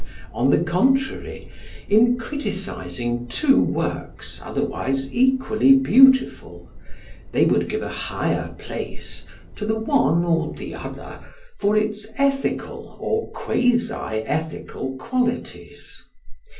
On the contrary, in criticising two works otherwise equally beautiful, they would give a higher place to the one or the other for its ethical or quasi ethical qualities.